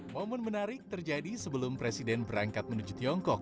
momen menarik terjadi sebelum presiden berangkat menuju tiongkok